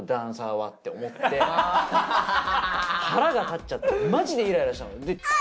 腹が立っちゃってマジでイライラしたの。